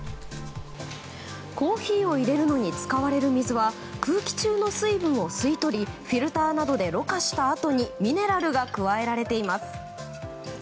コーヒーを入れるのに使われる水は空気中の水分を吸い取りフィルターなどでろ過したあとにミネラルが加えられています。